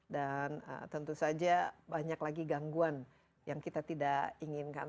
dan tentu saja banyak lagi gangguan yang kita tidak inginkan